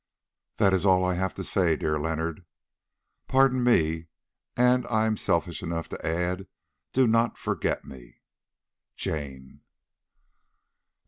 "That is all that I have to say, dear Leonard. "Pardon me, and I am selfish enough to add—do not forget me. "JANE.